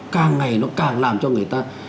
càng ngày nó càng làm cho người ta